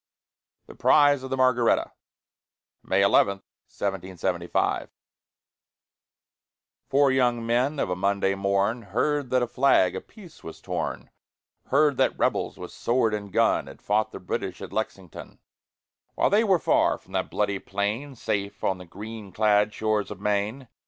THE PRIZE OF THE MARGARETTA [May 11, 1775] I Four young men, of a Monday morn, Heard that the flag of peace was torn; Heard that "rebels" with sword and gun, Had fought the British at Lexington, While they were far from that bloody plain, Safe on the green clad shores of Maine.